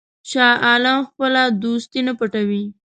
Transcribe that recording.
شاه عالم خپله دوستي نه پټوي.